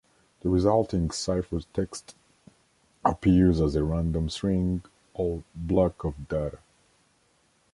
The resulting ciphertext appears as a random string or block of data.